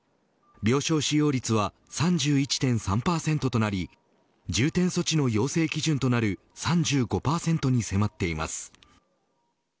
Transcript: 病床使用率は３１．３％となり重点措置の要請基準となる３５％に迫っています。